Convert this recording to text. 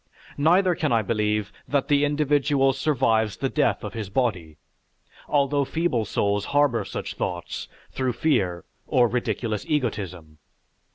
Neither can I believe that the individual survives the death of his body, although feeble souls harbor such thoughts through fear or ridiculous egotism.